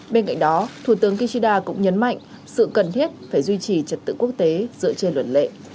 bên cạnh đó thủ tướng kishida cũng nhấn mạnh sự cần thiết phải duy trì trật tự quốc tế dựa trên luật lệ